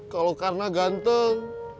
kalau karena ganteng